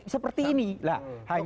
seperti ini lah